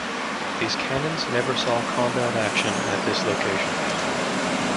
These cannons never saw combat action at this location.